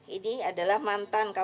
ini adalah mantan